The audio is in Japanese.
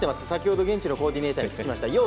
先ほど現地のコーディネーターに聞きました。